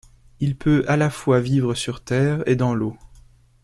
Il peut à la fois vivre sur terre et dans l'eau.